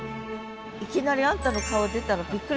いきなりあんたの顔出たらびっくりするよ